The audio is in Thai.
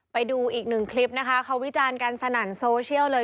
ไปดูอีกหนึ่งคลิปนะคะเขาวิจารณ์กันสนั่นโซเชียลเลย